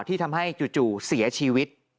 ที่ทำให้จู่เสียชีวิต